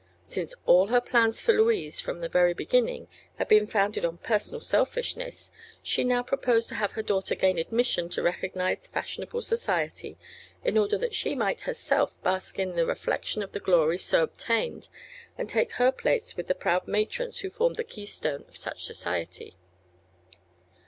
Since all her plans for Louise, from the very beginning, had been founded on personal selfishness, she now proposed to have her daughter gain admission to recognized fashionable society in order that she might herself bask in the reflection of the glory so obtained and take her place with the proud matrons who formed the keystone of such society.